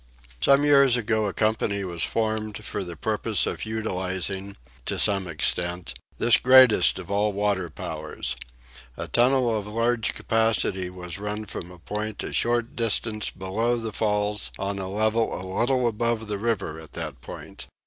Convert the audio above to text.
Some years ago a company was formed for the purpose of utilizing, to some extent, this greatest of all water powers. A tunnel of large capacity was run from a point a short distance below the falls on a level a little above the river at that point.